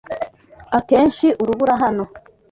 Akenshi urubura hano.